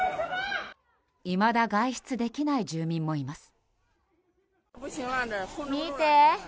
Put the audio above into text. いまだ外出できない住民もいます。